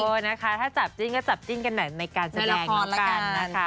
นะคะถ้าจับจิ้นก็จับจิ้นกันหน่อยในการแสดงแล้วกันนะคะ